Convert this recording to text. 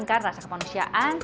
jika anda mengambil alat kesehatan